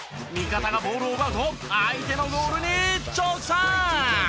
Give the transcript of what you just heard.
味方がボールを奪うと相手のゴールに一直線！